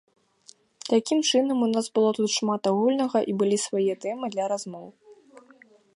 Такім чынам, у нас было тут шмат агульнага і былі свае тэмы для размоў.